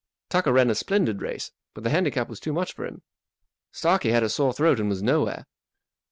Tucker ran a splendid race, but the handicap was too much for him. Starkie had a sore throat and was nowhere.